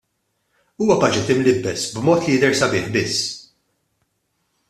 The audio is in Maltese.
Huwa Baġit imlibbes b'mod li jidher sabiħ biss.